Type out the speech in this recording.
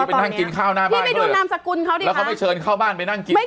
นี้เป็นนั่งกินข้าวหน้าบ้านเพื่อมาเชินเข้าบ้านนั่งกิน